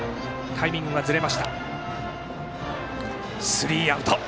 スリーアウト。